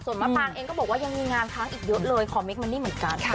มะปางเองก็บอกว่ายังมีงานค้างอีกเยอะเลยคอเมคมันนี่เหมือนกัน